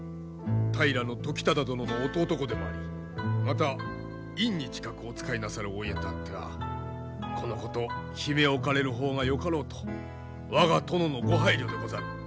平時忠殿の弟御でもありまた院に近くお仕えなさるお家とあってはこのこと秘め置かれる方がよかろうと我が殿のご配慮でござる。